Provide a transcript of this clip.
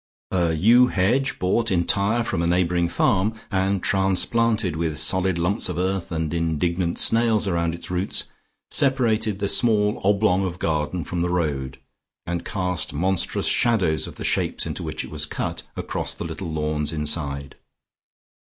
A yew hedge, bought entire from a neighboring farm, and transplanted with solid lumps of earth and indignant snails around its roots, separated the small oblong of garden from the road, and cast monstrous shadows of the shapes into which it was cut, across the little lawns inside.